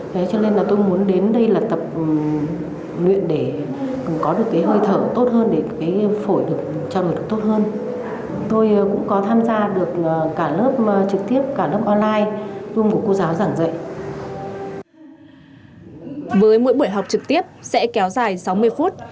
với mỗi buổi học trực tiếp sẽ kéo dài sáu mươi phút